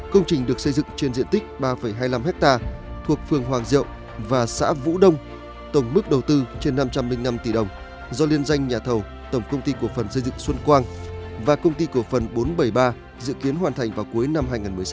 công trình được xây dựng trên diện tích ba hai mươi năm ha thuộc phường hoàng diệu và xã vũ đông tổng mức đầu tư trên năm trăm linh năm tỷ đồng do liên danh nhà thầu tổng công ty cổ phần xây dựng xuân quang và công ty cổ phần bốn trăm bảy mươi ba dự kiến hoàn thành vào cuối năm hai nghìn một mươi sáu